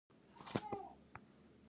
بریده د هغه بل مشهور کتاب دی.